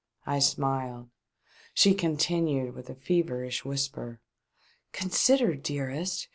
'*" I smiled ; she continued, with a feverish whisper :" Consider, dearest